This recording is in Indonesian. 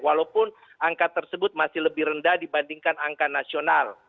walaupun angka tersebut masih lebih rendah dibandingkan angka nasional